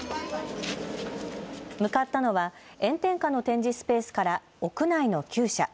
向かったのは炎天下の展示スペースから屋内のきゅう舎。